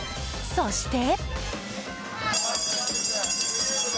そして。